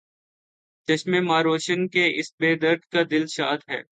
چشمِ ما روشن، کہ اس بے درد کا دل شاد ہے